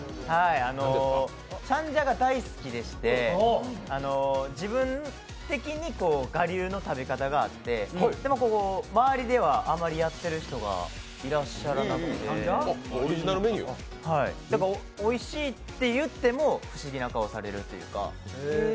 チャンジャが大好きでして自分的に我流の食べ方があって、周りではあまりやってる人がいらっしゃらなくておいしいって言っても不思議な顔をされるというか。